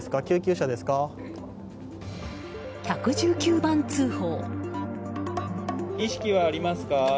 １１９番通報。